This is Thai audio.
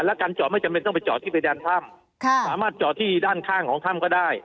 และการจอดไม่จำเป็นต้องไปจอดที่เพดานถ้ำสามารถจอดที่ด้านข้างของถ้ำก็ได้